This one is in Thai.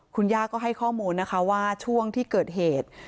คุณย่าก็ให้ข้อมูลนะคะว่าช่วงที่เกิดเหตุ